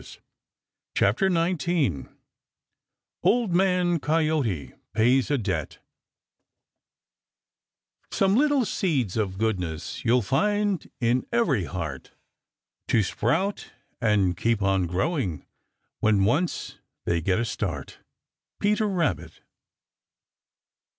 ] CHAPTER XIX OLD MAN COYOTE PAYS A DEBT Some little seeds of goodness You'll find in every heart, To sprout and keep on growing When once they get a start. Peter Rabbit.